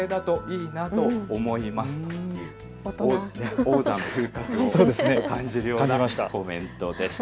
王者の風格を感じるようなコメントでした。